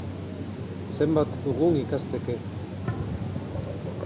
Zenbat dugun ikasteke!